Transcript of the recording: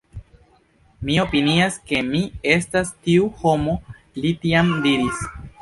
Mi opinias ke mi estas tiu homo, li tiam diris.